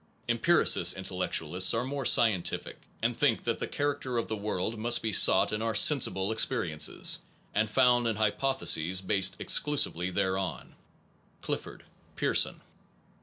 Empiricist intellectual ists are more * scientific, and think that the char acter of the world must be sought in our sensible experiences, and found in hypotheses based exclu sively thereon (Clifford, Pearson).